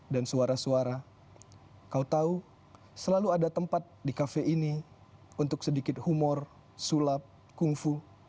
dan suara suara kau tahu selalu ada tempat di kafe ini untuk sedikit humor sulap kungfu